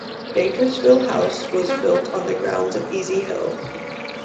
Baskerville House was built on the grounds of "Easy Hill".